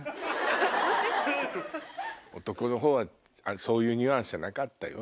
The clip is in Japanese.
私⁉男はそういうニュアンスじゃなかったよ